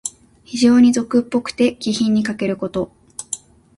非情に俗っぽくて、気品にかけること。